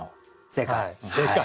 正解？